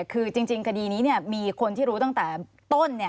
คือจริงคดีนี้มีคนที่รู้ตั้งแต่ต้น